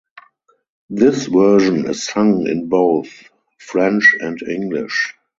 This version is sung in both French and English.